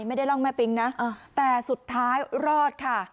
ไม่ได้ลองแม่ปิงนะอ่าแต่สุดท้ายรอดค่ะ